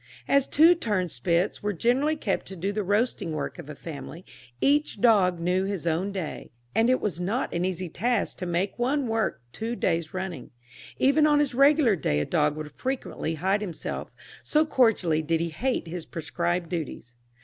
As two turnspits were generally kept to do the roasting work of a family, each dog knew his own day, and it was not an easy task to make one work two days running. Even on his regular day a dog would frequently hide himself, so cordially did he hate his prescribed duties.